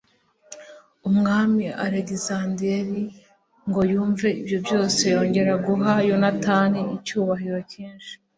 umwami alegisanderi ngo yumve ibyo byose yongera guha yonatani icyubahiro cyinshi